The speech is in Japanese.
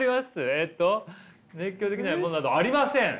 えっと「熱狂できないものなどありません」。